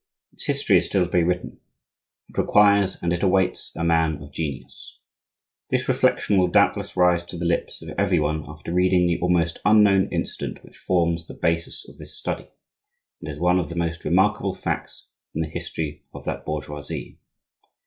Its history is still to be written; it requires and it awaits a man of genius. This reflection will doubtless rise to the lips of every one after reading the almost unknown incident which forms the basis of this Study and is one of the most remarkable facts in the history of that bourgeoisie.